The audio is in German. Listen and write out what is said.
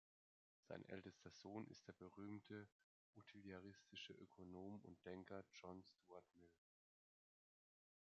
Sein ältester Sohn ist der berühmte utilitaristische Ökonom und Denker John Stuart Mill.